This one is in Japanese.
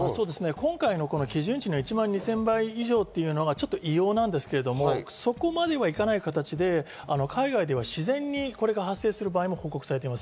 今回の基準値の１万２０００倍以上というのが異様ですけど、そこまではいかない形で海外では自然にこれが発生する場合も報告されています。